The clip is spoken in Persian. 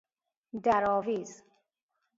در آویز